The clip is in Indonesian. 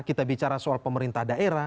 kita bicara soal pemerintah daerah